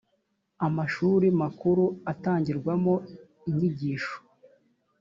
amashuri makuru atangirwamo inyigisho